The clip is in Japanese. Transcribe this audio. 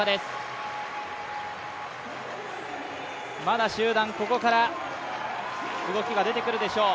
まだ集団、ここから動きが出てくるでしょう。